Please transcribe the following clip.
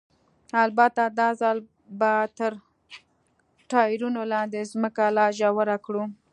البته دا ځل به تر ټایرونو لاندې ځمکه لا ژوره کړو.